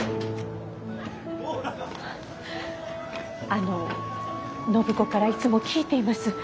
あの暢子からいつも聞いています。